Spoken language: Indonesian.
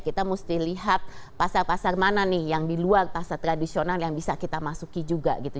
kita mesti lihat pasar pasar mana nih yang di luar pasar tradisional yang bisa kita masuki juga gitu